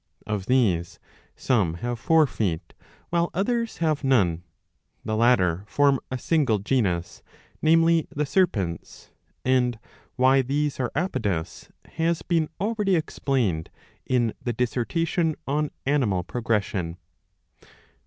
Of these some ha.ve four feet, while others have none. The latter form a single genus, n9.mely the Serpents ; and why these are apodous has been already explained in the dissertatipn on Animal Progression.